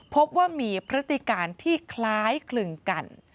พบว่ามีพฤติการที่คล้ายคลึงกัน